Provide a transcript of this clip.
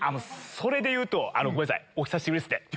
それでいうとごめんなさいお久しぶりですね。